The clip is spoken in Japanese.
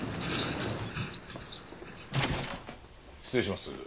失礼します。